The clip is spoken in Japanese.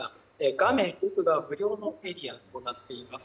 画面奥が無料のエリアとなっています。